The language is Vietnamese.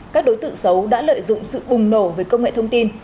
các đối tượng xấu đã lợi dụng sự bùng nổ về công nghệ thông tin